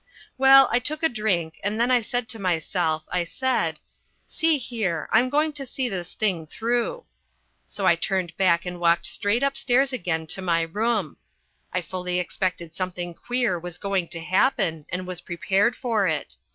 Well, I took a drink and then I said to myself, I said, "See here, I'm going to see this thing through." So I turned back and walked straight upstairs again to my room. I fully expected something queer was going to happen and was prepared for it.